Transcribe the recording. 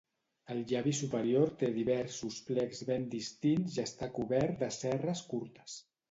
El llavi superior té diversos plecs ben distints i està cobert de cerres curtes.